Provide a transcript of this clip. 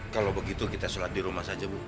kalau begitu kita sholat di rumah saja bu